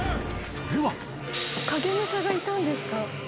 それは・影武者がいたんですか？